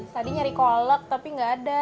tadi nyari kolak tapi gak ada